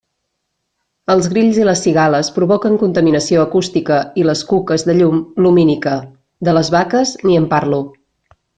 Els grills i les cigales provoquen contaminació acústica i les cuques de llum, lumínica; de les vaques, ni en parlo.